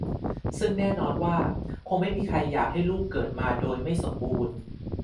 ซึ่งแน่นอนว่าคงไม่มีใครอยากให้ลูกเกิดมาโดยไม่สมบูรณ์